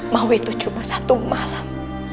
mau itu cuma satu malam